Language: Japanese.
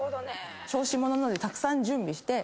小心者なんでたくさん準備して。